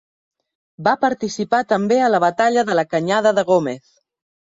Va participar també a la batalla de la Canyada de Gómez.